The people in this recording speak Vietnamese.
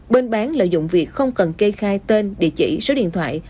bên bán lợi dụng việc không cần kê khai tên địa chỉ số điện thoại